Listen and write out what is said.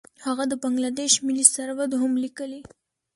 هغه د بنګله دیش ملي سرود هم لیکلی.